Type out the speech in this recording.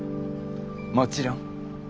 もちろん。